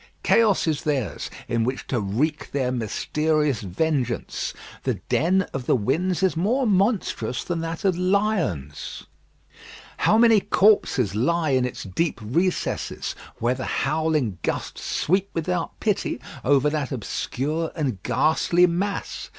Chaos is theirs, in which to wreak their mysterious vengeance: the den of the winds is more monstrous than that of lions. How many corpses lie in its deep recesses, where the howling gusts sweep without pity over that obscure and ghastly mass!